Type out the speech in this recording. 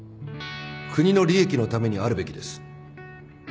国の利益のためにあるべきです。